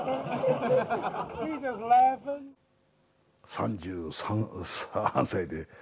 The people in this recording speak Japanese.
３３歳で。